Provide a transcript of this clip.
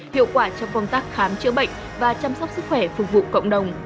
hiệu quả cho công tác khám chữa bệnh và chăm sóc sức khỏe phục vụ cộng đồng